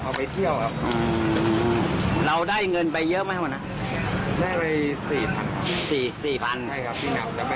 รถเราน้ำมันหมดพอดีเหรอไม่ครับเลยไปตรงแล้วเรามีตังค์จิดตัวไหม